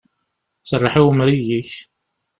Serreḥ i umrig-ik!